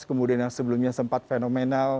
kemudian yang sebelumnya sempat fenomenal